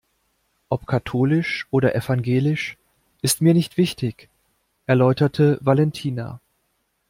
Ob katholisch oder evangelisch ist mir nicht wichtig, erläuterte Valentina.